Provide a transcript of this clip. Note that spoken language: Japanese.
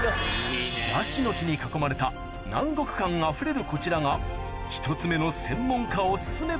ヤシの木に囲まれた南国感あふれるこちらが１つ目の専門家オススメ